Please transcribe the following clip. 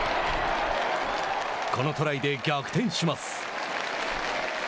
このトライで逆転します。